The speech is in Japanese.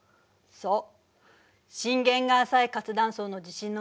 そう。